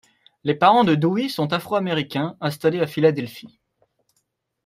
Les parents de Dewey sont afro-américains installés à Philadelphie.